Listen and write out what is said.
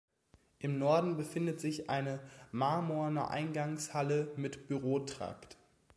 Im Norden befindet sich eine marmorne Eingangshalle mit Bürotrakt.